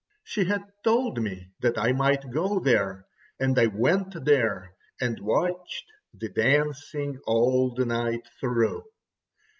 She had told me that I might go there, and I went there and watched the dancing all the night through.